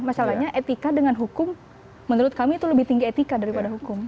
masalahnya etika dengan hukum menurut kami itu lebih tinggi etika daripada hukum